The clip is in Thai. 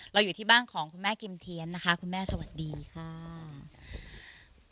อยู่ที่บ้านของคุณแม่กิมเทียนนะคะคุณแม่สวัสดีค่ะ